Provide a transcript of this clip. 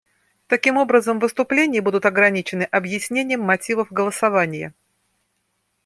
Таким образом, выступления будут ограничены объяснением мотивов голосования.